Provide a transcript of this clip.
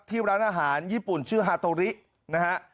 ร้านอาหารญี่ปุ่นชื่อฮาโตรินะฮะ